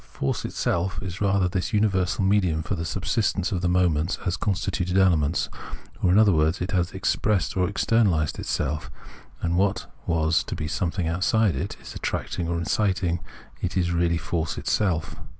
Force itself is rather this universal medium for the subsistence of the moments as con stituent elements ; or, in other words, it has expressed or externalised itself, and what was to be something outside it attracting or inciting it is really force itself.